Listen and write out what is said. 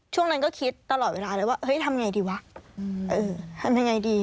ช่วงนั้นก็คิดตลอดเวลาเลยว่าเฮ้ยทำไงดีวะเออทำยังไงดี